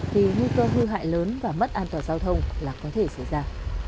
thì nguy cơ hư hại lớn và mất an toàn giao thông là có thể xảy ra